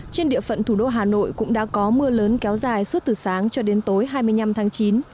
trên địa phận thủ đô hà nội cũng đã có mưa lớn kéo dài suốt từ sáng cho đến tối hai mươi năm tháng chín